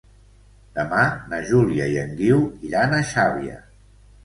Demà na Júlia i en Guiu iran a Xàbia.